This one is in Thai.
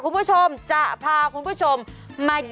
คุณติเล่าเรื่องนี้ให้ฮะ